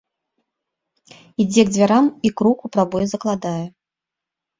Ідзе к дзвярам і крук у прабой закладае.